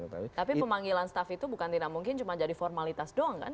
tapi pemanggilan staff itu bukan tidak mungkin cuma jadi formalitas doang kan